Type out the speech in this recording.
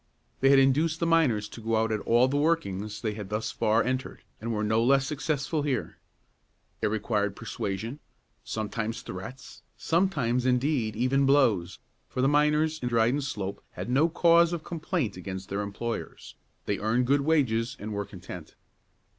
They had induced the miners to go out at all the workings they had thus far entered, and were no less successful here. It required persuasion, sometimes threats, sometimes, indeed, even blows, for the miners in Dryden Slope had no cause of complaint against their employers; they earned good wages, and were content.